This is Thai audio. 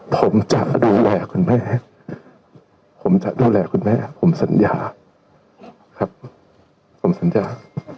ผมจะดูแลคุณแม่ผมจะดูแลคุณแม่ผมสัญญาครับผมสัญญา